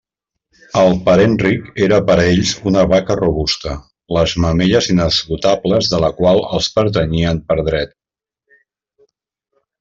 El parent ric era per a ells una vaca robusta, les mamelles inesgotables de la qual els pertanyien per dret.